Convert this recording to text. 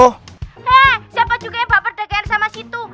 heeh siapa juga yang baper dan geer sama situ